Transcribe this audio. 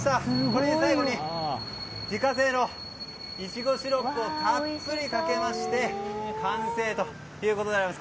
これに最後に自家製のイチゴシロップをたっぷりかけて完成ということです。